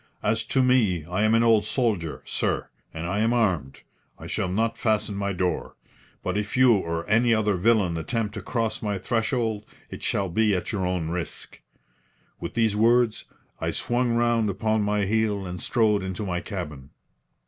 As to me, I am an old soldier, sir, and I am armed. I shall not fasten my door. But if you or any other villain attempt to cross my threshold it shall be at your own risk." With these words, I swung round upon my heel and strode into my cabin.